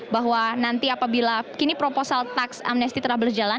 bahwa nanti apabila kini proposal tax amnesty telah berjalan